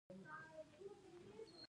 لوگر د افغانستان د انرژۍ سکتور برخه ده.